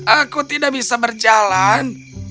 aku tidak bisa berjalan